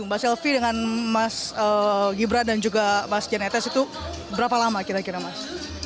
mbak selvi dengan mas gibran dan juga mas jan etes itu berapa lama kira kira mas